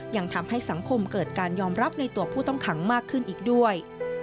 ยังทำให้สังคมเกิดการยอมรับในตัวผู้ต้องขังมากขึ้นอีกด้วย